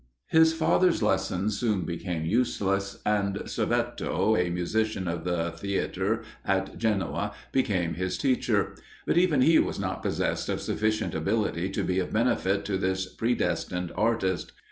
His father's lessons soon became useless, and Servetto, a musician of the theatre, at Genoa, became his teacher; but even he was not possessed of sufficient ability to be of benefit to this predestined artist.